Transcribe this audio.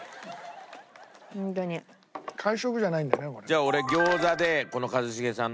じゃあ俺餃子でこの一茂さんの。